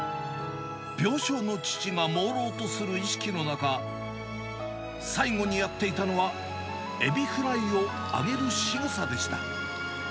病床の父がもうろうとする意識の中、最後にやっていたのは、エビフライを揚げるしぐさでした。